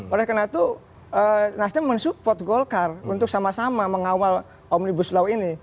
oleh karena itu nasdem mensupport golkar untuk sama sama mengawal omnibus law ini